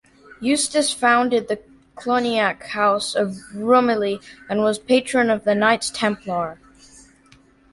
Eustace founded the Cluniac house of Rumilly and was patron of the Knights Templar.